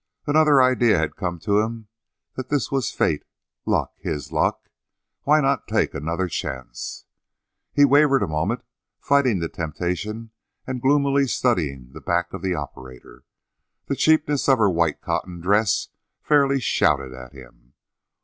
Another idea had come to him that this was fate luck his luck. Why not take another chance? He wavered a moment, fighting the temptation and gloomily studying the back of the operator. The cheapness of her white cotton dress fairly shouted at him.